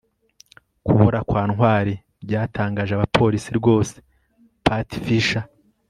kubura kwa ntwali byatangaje abapolisi rwose patgfisher